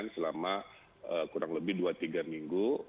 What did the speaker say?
selama kurang lebih dua tiga minggu